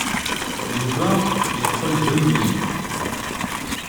Yuba yeqqel d ummil.